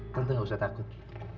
tante nggak usah takut